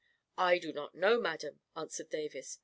44 1 do not know, madam/ 9 answered Davis.